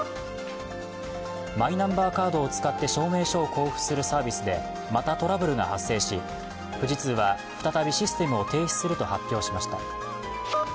マイナンバーカードを使って証明書を交付するサービスでまたトラブルが発生し、富士通は再びシステムを停止すると発表しました。